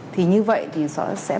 thì như vậy thì sẽ bao quát được